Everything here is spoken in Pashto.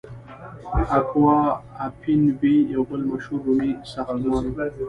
اکوا اپین وی یو بل مشهور رومي ساختمان و.